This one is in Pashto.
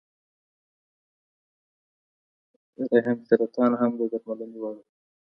رحم سرطان هم د درملنې وړ دی.